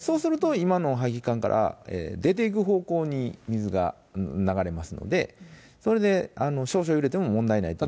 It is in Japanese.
そうすると、今の排気管から出ていく方向に水が流れますので、それで、少々揺れても問題ないと。